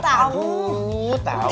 papa dulu tau